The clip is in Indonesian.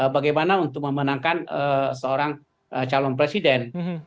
bagaimana untuk memenangkan seorang calon presiden